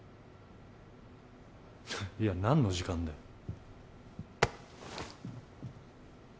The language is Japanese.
いや何の時間だよ